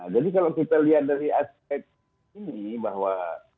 jadi kalau kita lihat dari aspek ini bahwa